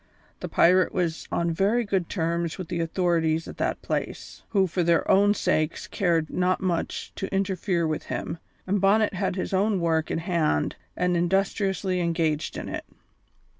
The pirate was on very good terms with the authorities at that place, who for their own sakes cared not much to interfere with him, and Bonnet had his own work in hand and industriously engaged in it.